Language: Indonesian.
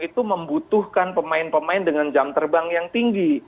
itu membutuhkan pemain pemain dengan jam terbang yang tinggi